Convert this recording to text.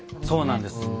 そうなんです。